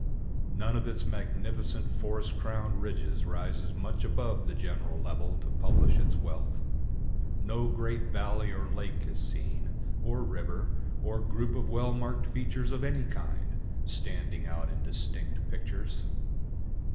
None of its magnificent forest crowned ridges rises much above the general level to publish its wealth. No great valley or lake is seen, or river, or group of well marked features of any kind, standing out in distinct pictures.